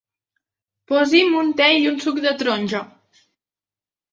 Posi'm un te i un suc de taronja.